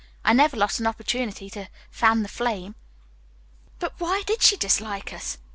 I never lost an opportunity to fan the flame." "But why did she dislike us?"